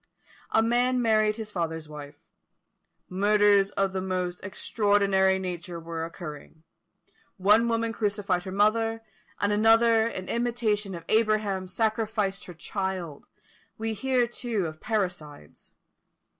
A man married his father's wife. Murders of the most extraordinary nature were occurring; one woman crucified her mother; another, in imitation of Abraham, sacrificed her child; we hear, too, of parricides.